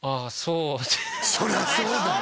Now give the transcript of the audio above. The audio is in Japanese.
そりゃそうだよ